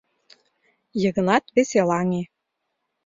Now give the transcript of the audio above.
— Йыгнат веселаҥе.